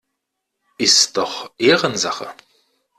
Ist doch Ehrensache!